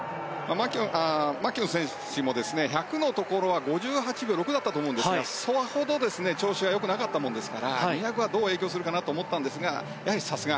マキュオン選手も１００のところは５８秒６だったと思うんですがそれほど調子が良くなかったもんですから２００はどう影響するかなと思ったんですがやはり、さすが。